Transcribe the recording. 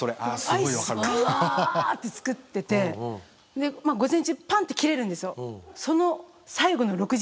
アイスグワッて作っててで午前中パンッて切れるんですよ。